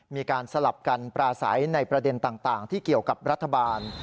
มีการสลับกันปราศัยในประเด็นต่างที่เกี่ยวกับรัฐบาล